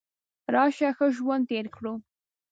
راشه ښه ژوند تیر کړو .